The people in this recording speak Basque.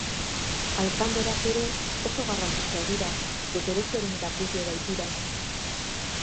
Alkandorak ere oso garrantzitsuak dira, dotoreziaren erakusle baitira.